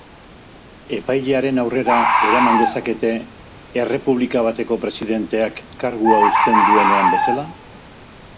Epailearen aurrera eraman dezakete, errepublika bateko presidenteak kargua uzten duenean bezala?